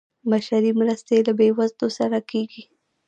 بشري مرستې له بیوزلو سره کیږي